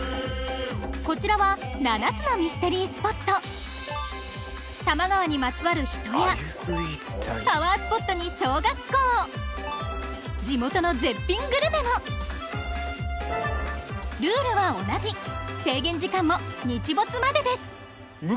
こちらは７つのミステリースポット多摩川にまつわる人やパワースポットに小学校地元の絶品グルメもルールは同じ制限時間も日没までです